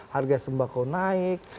harga sembako naik